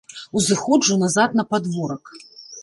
Узыходжу назад на падворак.